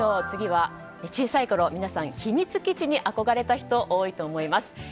次は、小さいころ皆さん秘密基地に憧れた人多いと思います。